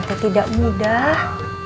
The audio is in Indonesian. teh tidak mudah